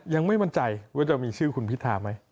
ยังไม่มั่นใจว่าจะมีชื่อคุณพิธาไหม